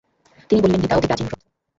তিনি বলিলেন গীতা অতি প্রাচীন গ্রন্থ।